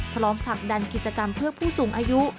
พร้อมผลักดันกิจกรรมเพื่อผู้สูงอายุ